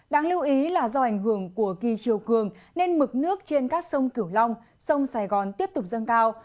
đáng lưu ý là do ảnh hưởng của kỳ chiều cường nên mực nước trên các sông kiểu long sông sài gòn tiếp tục dâng cao